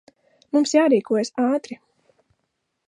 Mums jārīkojas ātri.